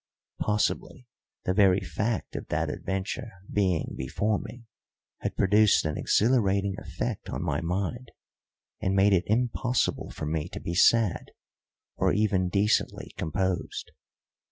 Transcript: Possibly the very fact of that adventure being before me had produced an exhilarating effect on my mind, and made it impossible for me to be sad, or even decently composed.